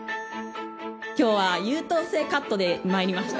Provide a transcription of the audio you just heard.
きょうは優等生カットでまいりました。